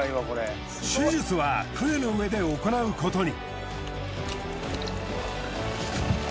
手術は船の上で行うことに。